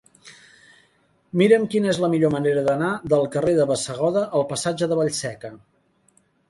Mira'm quina és la millor manera d'anar del carrer de Bassegoda al passatge de Vallseca.